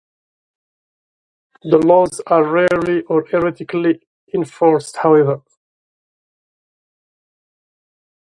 The laws are rarely or erratically enforced, however.